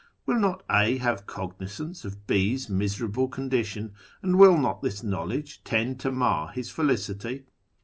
Will not A have cognisance of B's miserable condition, and will not this knowledge tend to mar his felicity